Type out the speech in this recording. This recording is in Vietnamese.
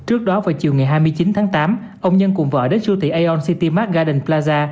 trước đó vào chiều ngày hai mươi chín tháng tám ông nhân cùng vợ đến siêu thị aon city mark garden plaza